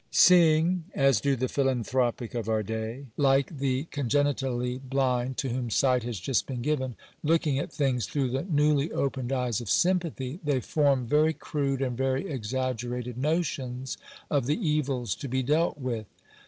Seeing, as do the philanthropic of our day, like the con genially blind to whom sight has just been given — looking at things through the newly opened eyes of sympathy — they form very crude and very exaggerated notions of the evils to be dealt with.